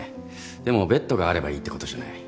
でもベッドがあればいいってことじゃない。